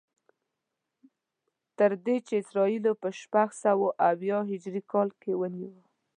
تر دې چې اسرائیلو په شپږسوه او اویا هجري کال کې ونیو.